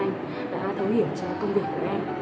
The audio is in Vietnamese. em rất là cảm ơn anh đã thấu hiểu cho công việc của em